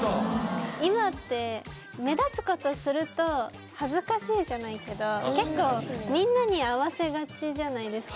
今って目立つ事すると恥ずかしいじゃないけど結構みんなに合わせがちじゃないですか。